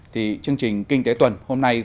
thì chương trình kinh tế tuần hôm nay